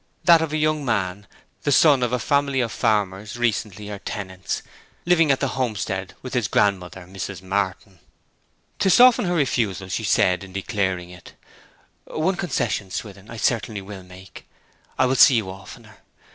that of a young man, the scion of a family of farmers recently her tenants, living at the homestead with his grandmother, Mrs. Martin. To soften her refusal she said in declaring it, 'One concession, Swithin, I certainly will make. I will see you oftener.